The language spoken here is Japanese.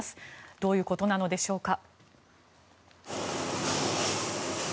どういうことなのでしょうか。